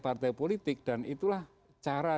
partai politik dan itulah cara